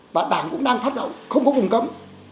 và đảng cũng đang phát động không có vùng cấm